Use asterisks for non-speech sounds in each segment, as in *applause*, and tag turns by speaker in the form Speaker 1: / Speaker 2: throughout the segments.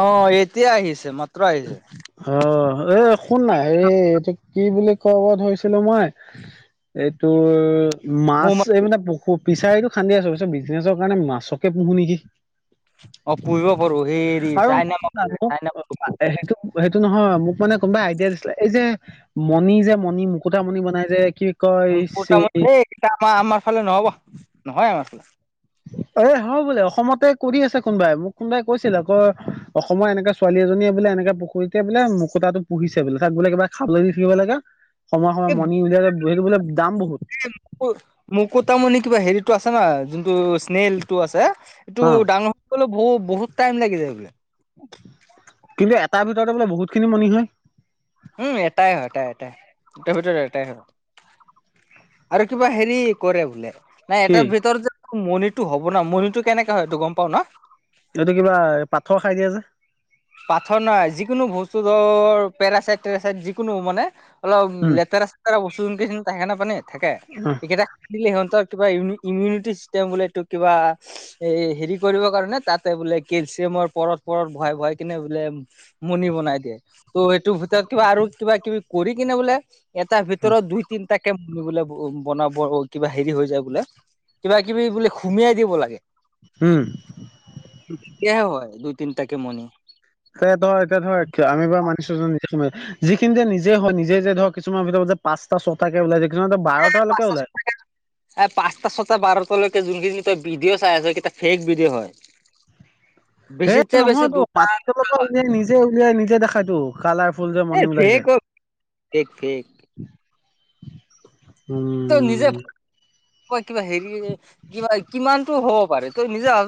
Speaker 1: অ' এতিয়া আহিছে, মাত্ৰ আহিছে।
Speaker 2: ঐ শুন নাই হেই এইটো কি বুলি ক'ব ধৰিছিলোঁ মই এইটো
Speaker 1: মোৰ
Speaker 2: মাছ এই
Speaker 1: মাতটো
Speaker 2: মানে প পিছাৰীটো খান্দি আছো ত পিছত বিজনেছৰ কাৰণে মাছকে পোহো নেকি
Speaker 1: অ' পুহিব পাৰো সেই হেৰি
Speaker 2: আৰু শুনা, মোক
Speaker 1: *unintelligible*
Speaker 2: সেইটো সেইটো নহয় মোক মানে কোনোবাই আইডিয়া দিছিলে এই যে মণি যে মণি মুকুতা মণি বনাই যে কি কয়?
Speaker 1: আমাৰ আমাৰ ফালে নহ'ব নহয় মাৰচোন।
Speaker 2: এ হয় বোলে অসমতে কৰি আছে কোনোবাই মোক কোনোবাই কৈছিল আকৌ অসমৰ এনেকে ছোৱালী এজনী বোলে এনেকে পুখুৰীতে বোলে মুুতাটো পুহিছে বোলে তাক বোলে কিবা খাবলৈ দি থাকিব লাগে। সময়ে
Speaker 1: এই
Speaker 2: সময় মৰ্ণিং উলিয়ালে সেইটো বোলে দাম বহুত।
Speaker 1: মুকুতামণি কিবা হেৰিটো আছে নহয় যোনটো স্নেলটো আছে এইটো
Speaker 2: অ'।
Speaker 1: ডাঙৰ হৈ ব বহুত টাইম লাগি যায় বোলে
Speaker 2: কিন্তু এটাৰ ভিতৰতে বোলে বহুত খিনি মণি হয়
Speaker 1: উম এটাই হয় এটাই এটাই ভিতৰত এটাই হয় আৰু কিবা হেৰি কৰে বোলে নাই
Speaker 2: কি
Speaker 1: এটাৰ ভিতৰত যে মণিটো হব ন মণিটো কেনেকে হয় এইটো গম পাও ন
Speaker 2: এইটো কিবা পাথৰ খাই দিয়ে যে
Speaker 1: পাথৰ নাই যিকোনো বস্তু ধৰ পেৰাচাইট টেৰাচাইট যিকোনো মানে অলপ
Speaker 2: উম
Speaker 1: লেতেৰা চেতেৰা বস্তু *unintelligible* থাকে নাপানে থাকে
Speaker 2: অ
Speaker 1: এইকেইটা দিলে হ'ল কিব ইমিউনিটি চিষ্টেম বোলে এইটো কিবা এ হেৰি কৰিবৰ কাৰণে তাতে বোলে কেলছিয়ামৰ পৰত পৰত ভয় ভাই কিনে বোলে মণি বনাই দিয়ে ত সেইটোৰ ভিতৰত কিবা আৰু কিবা কিবি কৰি কিনে বোলে এটা
Speaker 2: অ
Speaker 1: ভিতৰত দুই তিনিটা। তে বোলে বনাব কিবা হেৰি হৈ যায় বোলে কিবা কিবি বোলে খুমিয়াই দিব লাগে
Speaker 2: উম
Speaker 1: *unintelligible* তিনটাকে মণি
Speaker 2: তে ধৰ এতিয়া ধৰ *unintelligible* যিখিনি যে নিজে হয় নিজে যে ধৰক কিছুমানৰ ভিতৰত যে পাঁচটা ছটাকে ওলাই য
Speaker 1: পাঁচটা ছটা বাৰটা লৈকে যোনখিনি। এ ভিডিঅ' চাই আছ এইকেইটা ফেক ভিডিঅ' হয় বেছিতছে
Speaker 2: হেই
Speaker 1: বেছি
Speaker 2: নহয়তো
Speaker 1: দুটা
Speaker 2: মাটি তলৰ পৰা উলিয়াই নিজে উলিয়াই নিজে দেখাইতো কালাৰ ফুল যে
Speaker 1: এ
Speaker 2: মণি ওলাই
Speaker 1: ফেক
Speaker 2: যায়
Speaker 1: অ ফেক ফেক তই নিজে
Speaker 2: উম
Speaker 1: ক কিবা হেৰি কিবা কিমানতটো হ'ব পাৰে তই নিজে ভ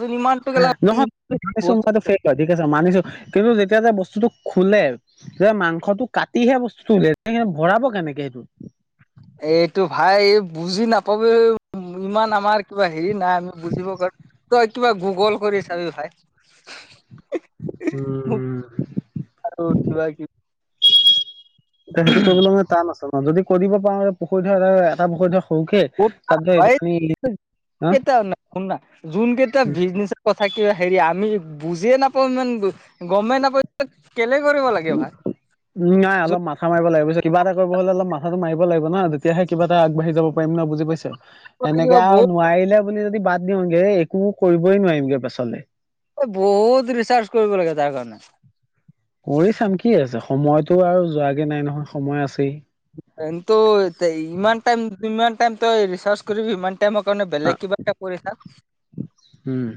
Speaker 2: নহয় মানিছো মইটোে হয় ঠিক আছে মানিছো কিন্তু যেতিয়া যে বস্তুটো। খোলে যে মাংসটো কাটিহে বস্তুটো উলিয়াই ভৰাব কেনেকে সেইটো
Speaker 1: এইটো ভাই বুজি নাপ ইমান আমাৰ কিবা হেৰি নাই আমি বুজিব পাৰো ত। কিবা গুগল কৰি চাবি ভাই।
Speaker 2: উম
Speaker 1: বাকী?
Speaker 2: এ সেইটো কৰিবলৈ মে টান আছে ন যদি কৰিব পাৰোওঁ পুখুৰী ধৰ এটা পুখুৰী ধৰ। সৰুকে
Speaker 1: খুব
Speaker 2: তাত ধৰ এইটো
Speaker 1: হয়।
Speaker 2: আমি হা
Speaker 1: এটা নাই শুন ন যোনকেইটায়া বিজনেচৰ কথা কা হেৰি আমি বুজিয়ে নাপাওঁ মান গমেই নাপাই।
Speaker 2: উ নাই অলপ মাথা মাৰিব লাগিব। কিবাটা কৰিব হ'লেল মাথাটো মাৰিব লাগিব নতিয়ে কিবা এ আগবাঢ় যাব পাৰি ন বুজি পাইছা এনেকে আৰু
Speaker 1: বহুত
Speaker 2: নোৱাৰিলে বুলি যদি বাদ দিওঁগে একো কৰিবই নোৱাৰিমগে পাছলে
Speaker 1: এই বহুত ৰিচাৰ্চ কৰিব লাগে তাৰ কাৰণে
Speaker 2: কৰি চাম কি আছে সময়তো আৰু যোৱাগে নাই নহয় সময় আছেই
Speaker 1: কিন্তু ইমান াইম ইমান াইম তই ৰিচাৰ্চ কৰিবি ইমান। এ মই কাৰণে
Speaker 2: আ
Speaker 1: বেলেগ কিবা এটা কৰিছা
Speaker 2: উম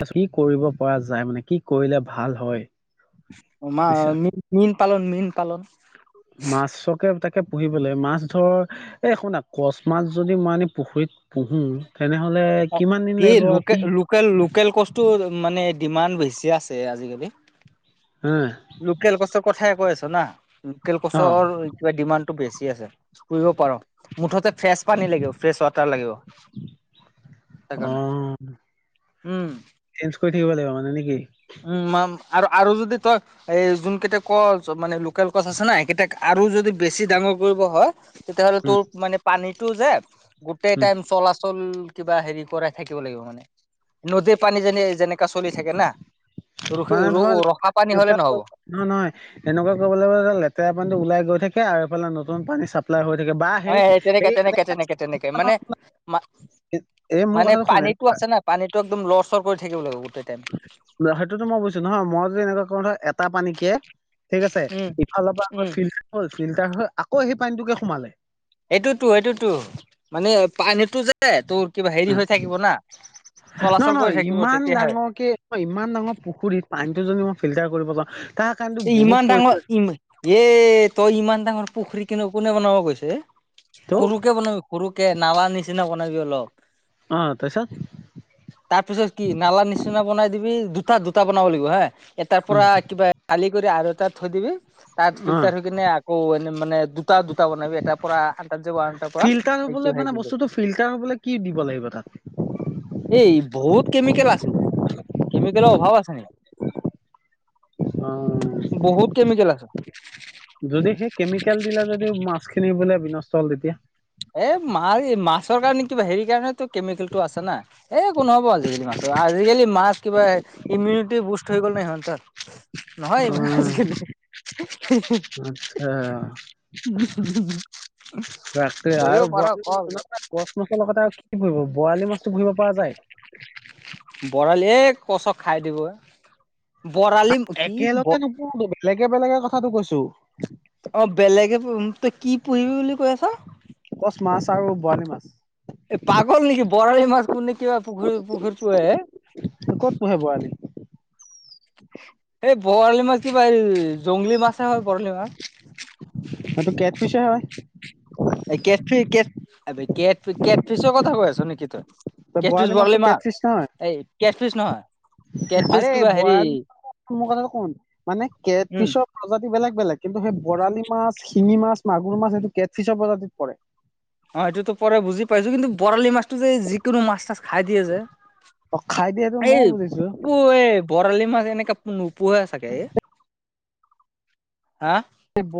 Speaker 2: ত কি কৰিব পৰা যায় মানে কি কৰিলে ভাল হয়
Speaker 1: মা
Speaker 2: বুজিছা
Speaker 1: ম মীন পালন মীন পালন
Speaker 2: মাছকে তাকে পুহিবলৈ মাছ ধৰ এই শুনা কচ মাছ যদি মইনি পুখুৰীত হুহুম।
Speaker 1: অ'। এই লোকে -লোকেল -লোকেল কষ্টুৰ মানে ডিমাণ্ড বেছি আছে। আজিকালি।
Speaker 2: হম।
Speaker 1: লোকেল কছৰ কথাই কৈ আছ না। লোকেল
Speaker 2: অ
Speaker 1: কছৰ কিবা ডিমাণ্ডটো বেছি। আছে। কৰিব পাৰ'। মুঠতে ফ্ৰেছ পানী লাগিব। ফ্ৰেছ ৱাটাৰ লাগিব। সেইকাৰণে
Speaker 2: অ'হ।
Speaker 1: উম
Speaker 2: চেঞ্জ কৰি থাকিব লাগিব। মানে নে কি?
Speaker 1: উম। আৰু- আৰু যদি তই এ যোন কেইটা কছ মানে লোকেল কছ আছে না সেইকেইটাক আৰু যদি বেছি ডাঙৰ কৰিব হয়, তেতিয়াহ'লে
Speaker 2: উম
Speaker 1: তোৰ মানে পানীটো যে গোটেই
Speaker 2: উম
Speaker 1: টাইম চলাচল কিবা হেৰি কৰাই থাকিব লাগিব মানে। নদীৰ পানী যেনে যেনেকা চলি থাকে না। ৰখি ৰ ৰখা পানী
Speaker 2: এনেক
Speaker 1: হ'লে নহ'ব।
Speaker 2: নহয়- নহয়। অং এনেকুৱা কৰিব লাগিব যাতে। লেতেৰা পানীটো ওলাই গৈ থাকে, আৰু ফালে নতুন পানী চাপ্লাই হৈ থা
Speaker 1: অ'হ। তেনেকে -তেনেকে- তেনেকে- তেনেকে মানে
Speaker 2: এই মোৰ
Speaker 1: মানে
Speaker 2: কথাটো শুনে
Speaker 1: পানীতটো আছে না। পানীটো একদম লৰচৰ কৰি থাকিব লাগিব বহুত।
Speaker 2: সেইটোতো মই বুজিছো। নহয়। মই যে এনেকুৱা কওঁ নহয়। টা পানী কে। ঠিক আছে।
Speaker 1: উম,
Speaker 2: ইফালৰ পৰা আকৌ
Speaker 1: উম,
Speaker 2: ফিল্টাৰ হল। ফিল্টাৰ হৈ আকৌ সেই পানীটোকে সোমালে।
Speaker 1: এইটোতো -এইটোতো। মানে পানীটো যে তোৰ কিবা
Speaker 2: হ
Speaker 1: হেৰি হৈ থাকিব না।
Speaker 2: নহয়।
Speaker 1: চলাচল কৰি
Speaker 2: নহয়।
Speaker 1: থাকিব
Speaker 2: ইমান
Speaker 1: তেতিয়াহে
Speaker 2: ডাঙৰ কে- ইমান ডাঙৰ পুখুৰীত, পানীটো যদি মই ফিল্টাৰ কৰিব যাওঁ, তাৰ কাৰণেতো বহুত
Speaker 1: ইমান ডাঙৰ।
Speaker 2: পইচা
Speaker 1: ইম- এ- তই ইমান ডাঙৰ পুখুৰী কোন- কোনে বনাব কৈছে?
Speaker 2: ত'
Speaker 1: সৰুকে বনাবি। সৰুকে। নালা নিচিনা বনাবি অলপ।
Speaker 2: অ তাৰপিছত
Speaker 1: তাৰপিছত কি, নালা নিচিনা বনাই দিবি। দুট -টা- দুটা বনাব লাগিব হা। এটাৰ পৰা
Speaker 2: উম
Speaker 1: কিবা খালি কৰি আৰু এটাত থৈ দিবি। তাত
Speaker 2: অ
Speaker 1: ফিল্টাৰ হৈ কিনে আকৌ এনে মানে দুটা-দুটা বনাবিএটাৰ পৰা আন তাত যাব। আনটাৰ পৰা
Speaker 2: ফিল্টাৰ মানে বস্তুটো ফিল্টাৰ হবলে কি দিব লাগে?
Speaker 1: এই বহুত কেমিকেল আছে। কেমিকেলৰ অভাৱ আছে
Speaker 2: অ
Speaker 1: নেকি। বহুত কেমিকেল আছে।
Speaker 2: যদি সেই কেমিকেল দিলে যদি মাছখিনি বোলে বিনষ্ট হল তেতিয়া?
Speaker 1: এ মা- মাছৰ কাৰণে কিবা হেৰিৰ কাৰণেটো কেমিকেলটো আছে না। এই একো নহব আজিকালি মাছৰ আজিকালি মাছ কিবা ইমিউনিটি বুষ্ট হৈ গ'ল না সিহঁতৰ। নহয়
Speaker 2: অ
Speaker 1: ই- আজিকালি।
Speaker 2: আচ্ছা
Speaker 1: *unintelligible*
Speaker 2: তাকে আৰু
Speaker 1: পাৰ
Speaker 2: বৰালি
Speaker 1: কৰ
Speaker 2: *unintelligible* কছ মাছৰ লগতে আৰু কি কৰিব, বৰালি মাছ পুহিব পৰা যায়।
Speaker 1: কছক খাই দিব এ।
Speaker 2: একেলগে নোপোহোটো। বেলেগে- বেলেগে কথাটো কৈছো।
Speaker 1: অ বেলেগে তই কি পুহিবি বুলি কৈ আছ?
Speaker 2: কচ মাছ আৰু বৰালি মাছ।
Speaker 1: এই পাগল নেকি বৰালি মাছ কোন নেকি বা পুখুৰী -পুখুৰীত পুহে!
Speaker 2: ক'ত পুহে বৰালি?
Speaker 1: এই বৰালি মাছ কিবা এই জংলী মাছে হয়। বৰালি মাছ।
Speaker 2: হেইটো কেট ফিচে হয়।
Speaker 1: কেট ফ- কেট ফিছৰ কথা কৈ আছ নেকি তই? কেটফিচ
Speaker 2: বৰালি মাছটো
Speaker 1: বৰলি মাৰ,
Speaker 2: কেটফিচ নহয়
Speaker 1: এই কেটফিচ নহয়।
Speaker 2: আৰে
Speaker 1: কেটফিচ কিবা হেৰি
Speaker 2: বৰালি মোৰ কথাটো শুন। মানে কেট
Speaker 1: উম
Speaker 2: ফিছৰ প্ৰজাতি বেলেগ বেলেগ। কিন্তু সেই বৰালি মাছ, শিঙি মাছ, মাগুৰ মাছ সেইটো কেটফিচৰ প্ৰজাতিত পৰে।
Speaker 1: অ এইটোতো পৰে বুজি পাইছো কিন্তু বৰালি মাছ টো যে যিকোনো মাছ তাছ খাই দিয়ে যে
Speaker 2: অ খাই দিয়ে সেইটো
Speaker 1: এই
Speaker 2: ময়ও বুজিছো
Speaker 1: পোৱেব বৰালি মাছ এনেকে নোপোহে চাগে এ হা
Speaker 2: এই ব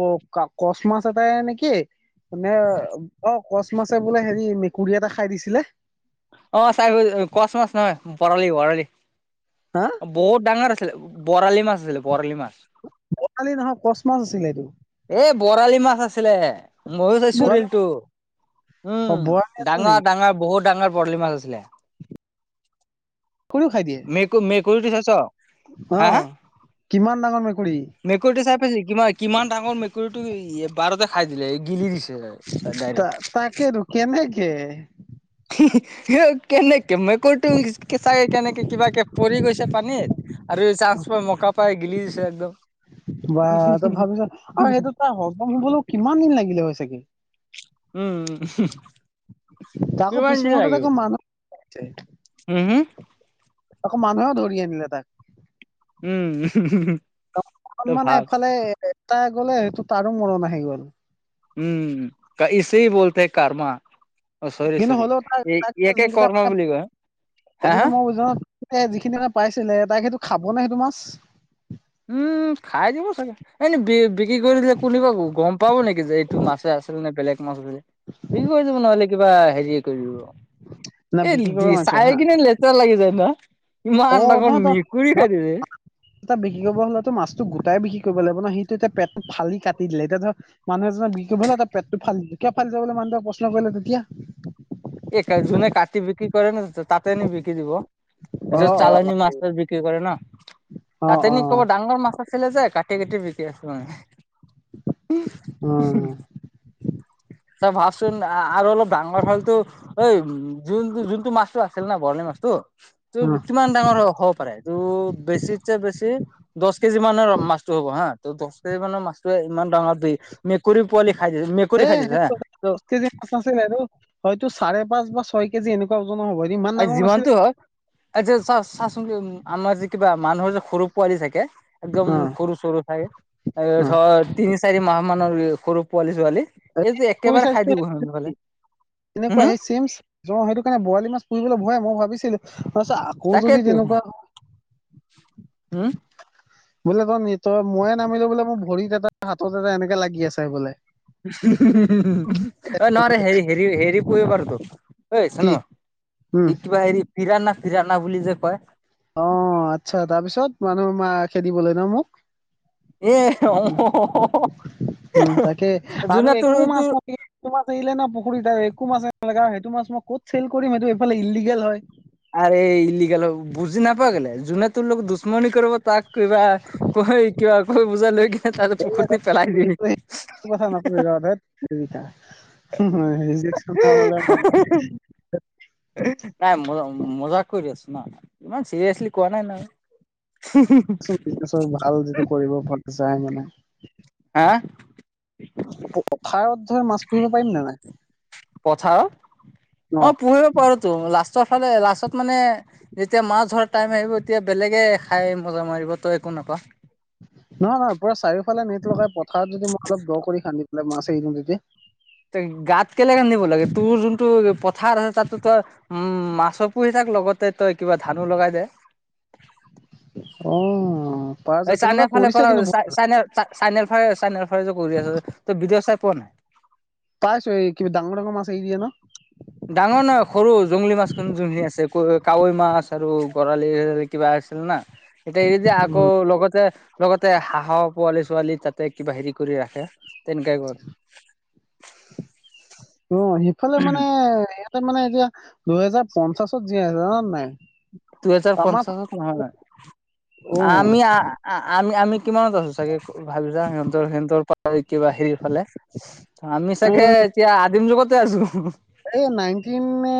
Speaker 2: কচ মাছ এটাই নেকি মানে অ কচ মাছে বোলে হেৰি মেকুৰী এটা খাই দিছিলে
Speaker 1: অ চাই কচ মাছ নহয় বৰালি বৰালি
Speaker 2: হা
Speaker 1: বহুত ডাঙৰ আছিলে বৰালি মাছ আছিলে বৰালি মাছ
Speaker 2: বৰালি নহয় কচ মাছ আছিলে এইটো
Speaker 1: এই বৰালি মাছ আছিলে ময়ো চাইছো
Speaker 2: বৰালি
Speaker 1: ৰেলটো
Speaker 2: অ
Speaker 1: উম
Speaker 2: বৰালি আছিল নেকি
Speaker 1: ডাঙৰ ডাঙৰ বহুত ডাঙৰ বৰালি মাছ আছিলে
Speaker 2: মেকুৰীও খাই দিয়ে
Speaker 1: মেকু মেকুৰীটো চাইছ
Speaker 2: অ
Speaker 1: হা হা
Speaker 2: কিমান ডাঙৰ মেকুৰী
Speaker 1: মেকুৰীটো চাই পাইছে কিমান কিমান ডাঙৰ মেকুৰীটো এবাৰতে খাই দিলে গিলি দিছ
Speaker 2: তা তাকেতো কেনেকে
Speaker 1: কেনেকে মেকুৰীটো কেঁচাই কেনেকে কিব কে পৰি গৈছে পানীত আৰু চান্স পাই মকা পাই গিলি দিছে একদম
Speaker 2: বা তই ভাব চোন আও সেইটো তাৰ হজম হুবলো কিমান দিন লাগিলে হয় চাগে
Speaker 1: উম
Speaker 2: তাকো
Speaker 1: কিমান দিন
Speaker 2: পিছমূহুৰ্তত
Speaker 1: লাগিব
Speaker 2: আকৌ *unintelligible*
Speaker 1: উম হোম
Speaker 2: আকৌ মানুহেও ধৰি আনিলে তাক
Speaker 1: উম উ *unintelligible*
Speaker 2: মানে এফালে এটা গলে সেইটো তাৰো মৰণ আহি গ'ল।
Speaker 1: উম কা ইছেই বোলতে কাৰৰ্মা।
Speaker 2: কিন্তু হ'লেও তাৰ তাক এতিয়া যোনকেইটা মানে
Speaker 1: বুলি কয় হা হা
Speaker 2: সেইটোতো মইও বুজো, যিখিনি মানে পাইছিলে তাক সেইটো খাব নে সেইটো মাছ?
Speaker 1: উম খাই দিব চাগে এনে বি বিক্ৰী কৰি দিলে কোনোবা গম পাব নেকি যে এইটো মাছে আছিল *unintelligible* বিক্ৰী কৰি দিব নহলে কিবা হেৰিয় কৰি
Speaker 2: না
Speaker 1: দিব। এই
Speaker 2: বিক্ৰী কৰিব
Speaker 1: দি
Speaker 2: মাৰিছ হা
Speaker 1: চাই কিনে লেতেৰা লাগি যায় না?
Speaker 2: অ
Speaker 1: ইমান ডাঙৰ
Speaker 2: নহয় তই
Speaker 1: মেকুৰী খায় দিয়ে এ!
Speaker 2: এটা বিক্ৰী কৰিব হ'লেতো মাছটো গোট বিক্ৰী কৰিব লাগিব ন সিটো এতিয়া পেটটো ফালি কাটি দিলে এতিয়া ধৰক মানুহ এজনক বিক্ৰি কৰিবলে এটা পেট ফালি দিলে, কিয় ফালিছ বোলি মানুহটোৱে প্ৰশ্ন কৰিলে তেতিয়া?
Speaker 1: এই যোনে কাটি বিক্ৰী কৰে ন তাতে নি বিকি দিব।
Speaker 2: অ
Speaker 1: যত
Speaker 2: অ
Speaker 1: চালানী মাছ বিক্ৰী কৰে ন
Speaker 2: অ
Speaker 1: তাতে
Speaker 2: অ
Speaker 1: নি কব ডাঙৰ মাছ আছিলে যে কা কাটি কাটি বিকি আছো মানে।
Speaker 2: উম।
Speaker 1: তই ভাবচোন আৰু অলপ ডাঙৰ হলতো ঐ যোনটো যোনটো মাছটো আছিল না বৰালি মাছটো টো
Speaker 2: অ,
Speaker 1: কিমান ডাঙৰ হ'ব পাৰে? এইটো বেছিতছে বেছি দছ কেজি মানৰ মাছটো হ'ব হা, দছ কেজি মানৰ মছটোৱে ইমান ডাঙৰ বে মেকুৰী পোৱালি খাই দিছে মেকুৰী
Speaker 2: হে
Speaker 1: খাই দিছে হা
Speaker 2: সেইটো
Speaker 1: ত
Speaker 2: দচ কেজি মাছ নাছিল এইতো, হয়তো চাৰে পাঁচ বা ছয় কেজি এনেকুৱা ওজনৰ হ'ব ইমান
Speaker 1: আ
Speaker 2: ডাঙৰ নাছিল
Speaker 1: যিমানটো হওক, আ চা চাচোন আমাৰ যে কিবা মানুহৰ যে সৰু পোৱালি থাকে একদম সৰু চৰু থাকে ধৰ তিনি চাৰি মাহ মানৰ সৰু পোৱালি ছোৱালী এইটোতো
Speaker 2: কুই
Speaker 1: একেবাৰে খাই
Speaker 2: চাইজটো
Speaker 1: দিব নফালে।
Speaker 2: এনেকুৱা সেই চিমছ সেইটো কাৰণে বৰালি মাছ বলৈ ভয় মই ভাবিছিলোঁ ত' আকৌ যদি
Speaker 1: তাকেইতো
Speaker 2: তেনেকুৱা
Speaker 1: হম।
Speaker 2: বোলে তই, তই ময়ে নামিলো বোলে মোৰ ভৰিত এটা হাতত এটা এনেকে লাগি আছে বোলে।
Speaker 1: অ, ন হেৰি হেৰি হেৰি প- ঐ ধুনু
Speaker 2: কি উম
Speaker 1: এই কিবা হেৰি ফিৰানা ফিৰানা বুলি যে কয়?
Speaker 2: অ, আচ্ছা তাৰপিছত মানুহ মা খেদিবলৈ ন মোক
Speaker 1: এ, অ,
Speaker 2: উম উম, তাকে আৰু
Speaker 1: যোনে তোৰ
Speaker 2: একো মাছ
Speaker 1: তোৰ
Speaker 2: ন টো মাছ এৰিলে না পুখুৰীত যাই একো মাছ না সেইটো মাছ মই ক'ত চেল কৰিম সেইটো এইফালে ইলিগেল হয়।
Speaker 1: আৰু এই ইলিগেল হব বুজি নাপাৱ কেলে যোনে তোৰ লগত দুশ্মনি কৰিব তাক কিবা কৈ কিবা কৈ বুজা লৈ কিনে তাতে পুখুৰী পেলাই দিবি।
Speaker 2: এইবোৰ কথা নকৰিবা ধেত জক থকা হলে ম,
Speaker 1: নাই মজা মজাক কৰি আছো না ইমান চিৰিয়েছলি কোৱা নাই নহয়
Speaker 2: বিজনেছৰ ভাল যিটো কৰিব মন যাই মানে
Speaker 1: হা,
Speaker 2: খাৰ অধ মাছ পুহিব পাৰিম নে নাই?
Speaker 1: পথাৰ
Speaker 2: ন
Speaker 1: অ পুহিব পাৰে তো লাষ্টৰ ফালে লাষ্টত মানে যেতিয়া মাছ ধৰাৰ টাইম আহিব তেতিয়া বেলেগে খাই মজা মাৰিব তই একো নাপাৱ
Speaker 2: নহয় নহয় পুৰা চাৰিওফালে নেট লগাই পথাৰত যদি মই অলপ দ কৰি খান্দি *unintelligible*
Speaker 1: গাত কেলেকে নিব লাগে তোৰ যোনটো পথাৰ আছে তাতো তই উ মাছে পুহি থাক তাৰ লগতে তই কিবা ধানো লগাই দে
Speaker 2: *unintelligible* অ, পাৰা
Speaker 1: এই
Speaker 2: যায় তেনেকুৱা
Speaker 1: চাইনাৰ ফালে
Speaker 2: কৰিছে
Speaker 1: কৰা
Speaker 2: কিন্তু
Speaker 1: চা
Speaker 2: বহুত
Speaker 1: চাইনা তাক চাইনাৰ ফালে চাইনাৰ ফালে কৰি আছে তই ভিডিঅ চাই পোৱা নাই,
Speaker 2: পাইছো এই কিবা ডাঙৰ ডাঙৰ মাছ এৰি দিয়ে ন,
Speaker 1: ডাঙৰ নহয় সৰু জংলী মাছ খিনি যোনখিনি আছে কাৱৈ মাছ আৰু বৰালি এ কিবা। ছিল না এতিয়া এই যে
Speaker 2: উম,
Speaker 1: আকৌ লগতে লগতে হাঁহ পোৱালি ছোৱালী তাতে কিবা হেৰি কৰি ৰাখে তেনেকাই কৰ
Speaker 2: অ, সিফালে মানে ইয়াতে মানে এতিয়া দুহেজাৰ পঞ্চাশত জীয়াই আছে জান নে নাই,
Speaker 1: দুহেজাৰ
Speaker 2: আমাৰ
Speaker 1: পঞ্চাশত যোৰা
Speaker 2: অ
Speaker 1: নাই আমি আমি আমি কিমানত আছো চাগে ভাবিছা সিহঁতৰ সিহঁতৰ পট্টালি কিবা হেৰি সিফালে আমি
Speaker 2: এ
Speaker 1: চাগে এতিয়া আদিম যুগতে আছো
Speaker 2: এই নাইটিন নে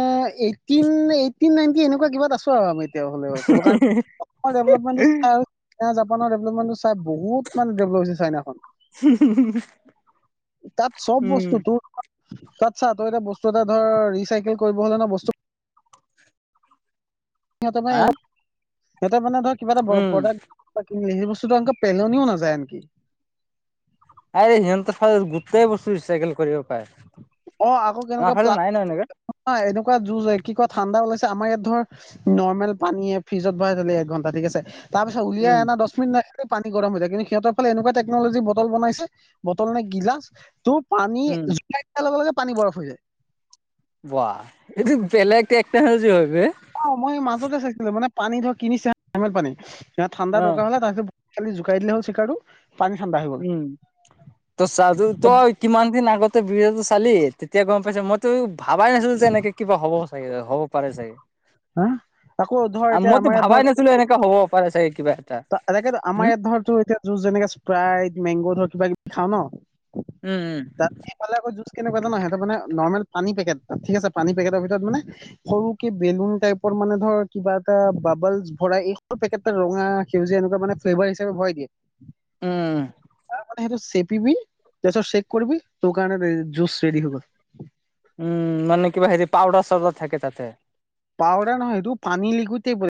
Speaker 2: এইথিন এইটি নাইনটি এনেকুৱা কিবাত আছো আৰু আমি হ'লে ক'ব কাৰণে অকল ডেবলপমেন্টৰ *unintelligible* তাত বহুত মানে ডেবলপ হৈছে চাইনাখন তাত চব
Speaker 1: উম
Speaker 2: বস্তুটো তোৰ তাত চা তই এটা বস্তু এটা ধৰ ৰিচাইকেল কৰিব হলে ন বস্তু *unintelligible* সিহঁতে মানে
Speaker 1: হা
Speaker 2: সিহতে মানে ধৰ কিবা এটা
Speaker 1: উম
Speaker 2: প্ৰডাক্ট ক সেই বস্ত *unintelligible* পেলনিও নাযায় আনকি
Speaker 1: আৰে সিহঁতৰ ফালে গোটেই বস্তু ৰিচাইকেল কৰিব পায়
Speaker 2: অ আকৌ কেনেকুৱা প্লাত *unintelligible* যুঁজ কি কোৱা ঠাণ্ডা ওলাইছে আমাৰ ইয়াত ধৰ নৰ্মেল পানীয়ে ফ্ৰিজত ভৰাই থলে এক ঘন্টা ঠিক আছে তাৰ পিছত উলিয়াই
Speaker 1: উম
Speaker 2: অনা দছ মিনিট পানী গৰম হৈ থাকে সিহতৰ ফালে এনেকুৱা টেকনলজি বটল বনাইছে বটল নে গিলাচ তোৰ পানী
Speaker 1: উম
Speaker 2: জুলাই দিয়া লগে লগে পানী বৰফ হৈ যায়
Speaker 1: বাহ এইটো বেলেগ একটা জ
Speaker 2: অ মই মাজতে চাইছিলো মানে পানীটো কিনিছে নৰ্মেল পানী ঠাণ্ডা
Speaker 1: অ
Speaker 2: দৰকাৰ হলে তাৰপিছত খালি জোকাই দিলে হল চিকাৰো
Speaker 1: উম ত চাদু তই কিমান দিন আগতে বিড টো চালি তেতিয়া গম পাইছা মই তইও ভাবাই নাছিল যে এনেকে কিবা হ'ব চাগে হ'ব পাৰে চাগে
Speaker 2: হা আকৌ ধৰ এতিয়া
Speaker 1: মইতো ভাবাই নাছিলো এনেকা হ'ব। পাৰে চাগে কিবা এটা
Speaker 2: এনেকাটো আমাৰ
Speaker 1: উম
Speaker 2: ইয়াত ধৰ এতিয়া যুইচ, স্প্ৰাইট, মেংগো ধৰ কিবা কিবি খাও ন
Speaker 1: উম উম
Speaker 2: তাত ইফালে আকৌ যুচ কেনেকুৱা এটা নাহে তাৰ মানে নৰ্মেল পানী পেকেট ঠিক আছে পানী পেকেটৰ ভিতৰত মানে সৰু কে বেলুন টাইপৰ মানে ধৰ কিবা এটা বাবলছ ভৰাই পেকেটোতে ৰঙা সেউজীয়া এনেকুৱা মানে ফ্লেভাৰ হিচাবত ভৰাই দিয়ে
Speaker 1: উম
Speaker 2: মানে সেইটো চেপিবি তাৰ পিছত ছেক কৰিবি দোকানৰ জুচ ৰেডি হৈ গল।
Speaker 1: উম মানে কিবা হেৰি পাউদাৰ চাউদাৰ থাকে তাতে।
Speaker 2: পাউদাৰ নহয় এইটো পানী লিকুইতে